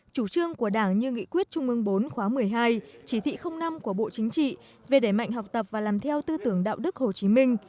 chủ trương của đảng như nghị quyết trung ương bốn khóa một mươi hai chỉ thị năm của bộ chính trị về đẩy mạnh học tập và làm theo tư tưởng đạo đức hồ chí minh